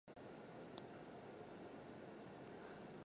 巴勒斯坦历史悠久。